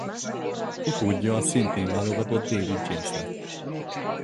Utódja a szintén válogatott David James lett.